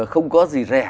không có gì rẻ